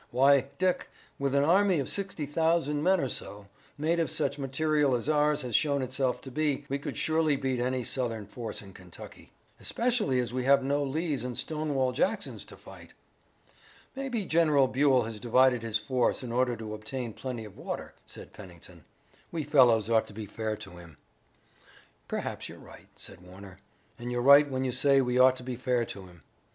Why, Dick, with an army of sixty thousand men or so, made of such material as ours has shown itself to be, we could surely beat any Southern force in Kentucky!" "Especially as we have no Lees and Stonewall Jacksons to fight." "Maybe General Buell has divided his force in order to obtain plenty of water," said Pennington. "We fellows ought to be fair to him." "Perhaps you're right," said Warner, "and you're right when you say we ought to be fair to him.